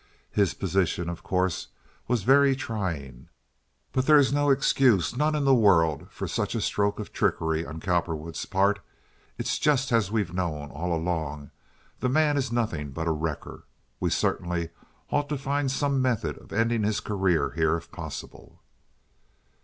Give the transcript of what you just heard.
His position, of course, was very trying. But there is no excuse—none in the world—for such a stroke of trickery on Cowperwood's part. It's just as we've known all along—the man is nothing but a wrecker. We certainly ought to find some method of ending his career here if possible."